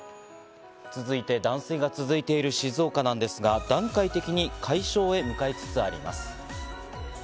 続いて断水が続いている静岡なんですが、段階的に解消へ向かいつつあります。